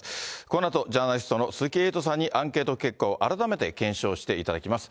このあと、ジャーナリストの鈴木エイトさんにアンケート結果を改めて検証していただきます。